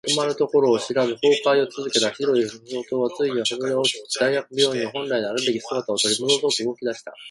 止まるところを知らず崩壊を続けた白い巨塔はついに崩れ落ち、大学病院は本来のあるべき姿を取り戻そうと動き出した。